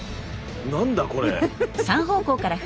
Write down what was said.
何だこれ！？